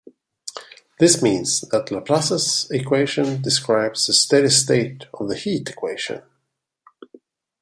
This means that Laplace's equation describes a steady state of the heat equation.